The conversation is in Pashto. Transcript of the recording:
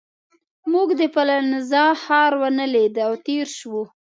موږ د پالنزا ښار ونه لید او تېر شوو.